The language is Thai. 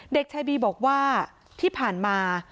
เด็กชายบีบอกว่าที่ผ่านมา